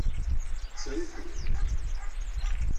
Tter-iten.